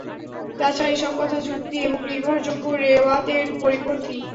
তাছাড়া এসব কথা যুক্তি এবং নির্ভরযোগ্য রেওয়ায়েতের পরিপন্থী।